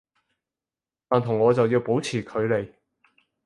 但同我就要保持距離